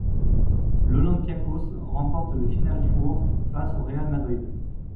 L'Olympiakós remporte le Final Four face au Real Madrid.